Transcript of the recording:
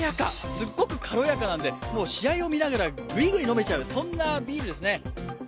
すっごく軽やかなんで試合を見ながら、ぐいぐい飲めちゃう、そんなビールですね。